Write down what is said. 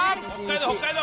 北海道！